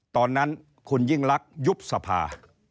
ตอนนั้นคุณยิ่งลักษณ์ยุบสภา